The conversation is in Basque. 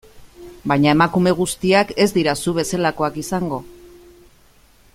Baina emakume guztiak ez dira zu bezalakoak izango...